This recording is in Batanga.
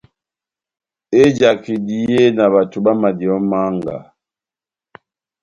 Ejaka ehidiye na bato bámadiyɛ ó manga,